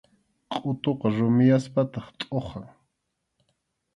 Qʼutuqa rumiyaspataq tʼuqyan.